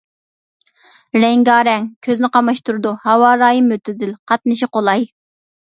رەڭگارەڭ، كۆزنى قاماشتۇرىدۇ، ھاۋا رايى مۆتىدىل، قاتنىشى قولاي.